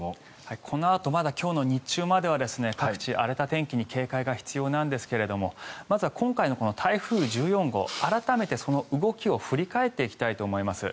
このあとまだ今日の日中までは各地、荒れた天気に警戒が必要なんですがまずは今回のこの台風１４号改めてその動きを振り返っていきたいと思います。